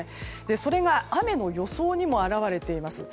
それが雨の予想にも表れています。